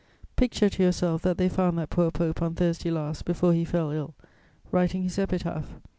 "Picture to yourself that they found that poor Pope, on Thursday last, before he fell ill, writing his epitaph.